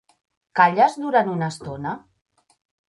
Calles durant una estona?